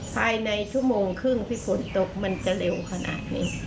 ภายในชั่วโมงครึ่งที่ฝนตกมันจะเร็วขนาดนี้